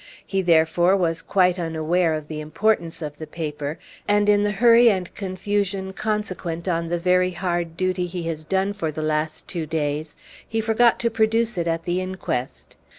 He therefore was quite unaware of the importance of the paper; and, in the hurry and confusion consequent on the very hard duty he has done for the last two days, he forgot to produce it at the inquest.